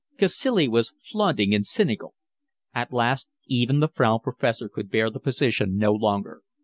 Cacilie was flaunting and cynical. At last even the Frau Professor could bear the position no longer.